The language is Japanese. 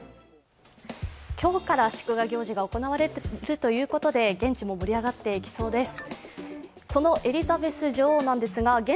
今日から祝賀行事が行われるということで現地も盛り上がっていきそうです。